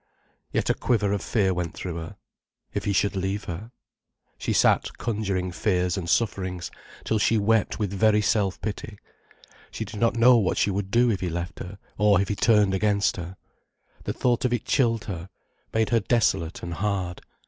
Yet a quiver of fear went through her. If he should leave her? She sat conjuring fears and sufferings, till she wept with very self pity. She did not know what she would do if he left her, or if he turned against her. The thought of it chilled her, made her desolate and hard.